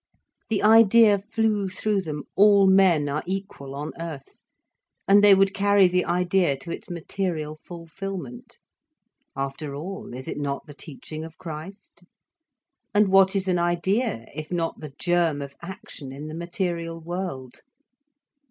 The idea flew through them: "All men are equal on earth," and they would carry the idea to its material fulfilment. After all, is it not the teaching of Christ? And what is an idea, if not the germ of action in the material world.